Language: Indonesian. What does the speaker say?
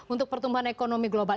untuk pertumbuhan ekonomi global